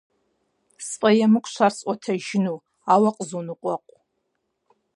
СфӀэемыкӀущ ар сӀуэтэжыну, ауэ къызоныкъуэкъу.